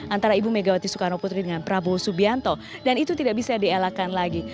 antara ibu megawati soekarno putri dengan prabowo subianto dan itu tidak bisa dialakan lagi